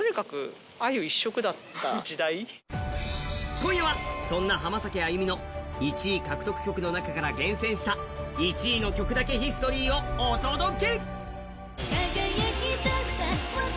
今夜はそんな浜崎あゆみの１位獲得曲の中から厳選した１位の曲だけヒストリーをお届け！